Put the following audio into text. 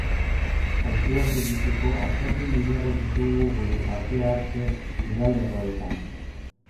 Aipuak egiteko azalpen gehiago ditugu gure Parte-hartze gidalerroetan.